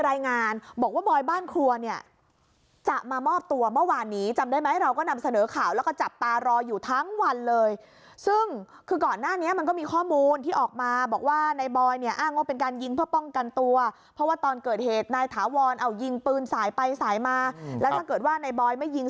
รายงานบอกว่าบอยบ้านครัวเนี่ยจะมามอบตัวเมื่อวานนี้จำได้